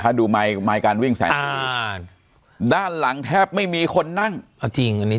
ถ้าดูไมค์การวิ่งแสนอ่าด้านหลังแทบไม่มีคนนั่งพอจริงอันนี้